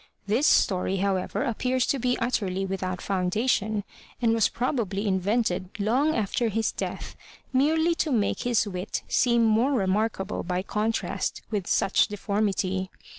This story, however, appears to be utterly without foundation and was probably invented long after his death, merely to make his wit seem more remarkable by contrast with such deformity.